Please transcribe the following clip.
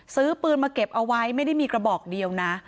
ซื้อปืนมาเก็บเอาไว้ไม่ได้มีกระบอกเดียวนะ